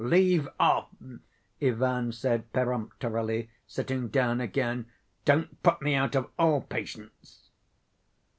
Leave off," Ivan said peremptorily, sitting down again. "Don't put me out of all patience."